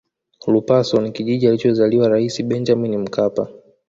lupaso ni kijiji alichozaliwa rais benjamin mkapa